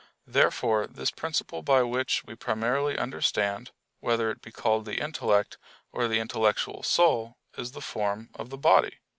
Therefore this principle by which we primarily understand, whether it be called the intellect or the intellectual soul, is the form of the body.